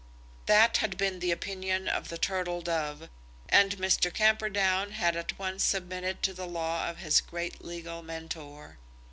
That had been the opinion of the Turtle Dove, and Mr. Camperdown had at once submitted to the law of his great legal mentor.